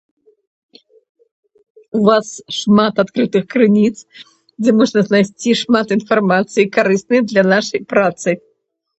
У вас шмат адкрытых крыніц, дзе можна знайсці шмат інфармацыі, карыснай для нашай працы.